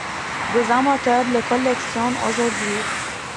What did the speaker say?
Des amateurs les collectionnent aujourd'hui.